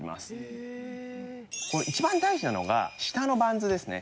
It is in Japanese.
一番大事なのが下のバンズですね。